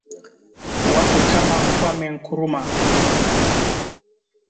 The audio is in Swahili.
Watu kama Kwame Nkrumah